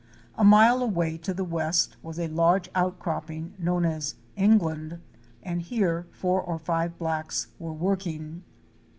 A mile away to the west was a large outcropping known as '' England" and here four or five blacks were working.